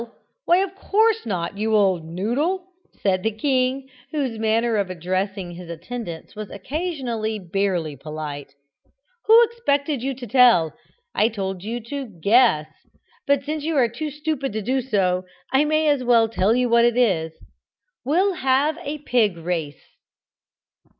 Why, of course not, you old noodle," said the King, whose manner of addressing his attendants was occasionally barely polite. "Who expected you to tell? I told you to guess, but since you are too stupid to do so, I may as well tell you what it is. We'll have a pig race!"